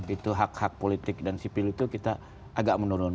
itu hak hak politik dan sipil itu kita agak menurun